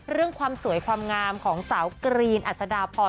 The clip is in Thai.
เรื่องความสวยความงามของสาวกรีนอัศดาพร